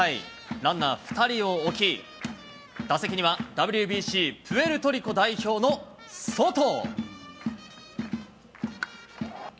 ランナー２人を置き、打席には、ＷＢＣプエルトリコ代表のソト。